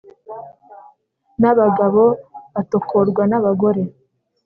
n’abagabo atakorwa na bagore